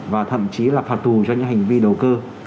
và thậm chí là phạt tù cho những hành vi đầu cơ